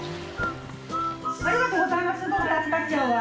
ありがとうございます。